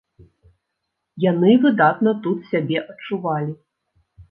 Яны выдатна тут сябе адчувалі.